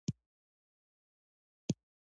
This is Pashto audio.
د بادغیس په مرغاب کې د ګازو نښې شته.